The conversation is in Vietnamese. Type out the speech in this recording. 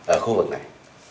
ở khu vực này